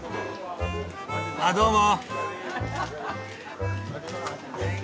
あどうも。